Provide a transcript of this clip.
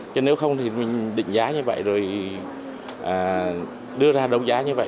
chứ nếu không thì mình định giá như vậy rồi đưa ra đấu giá như vậy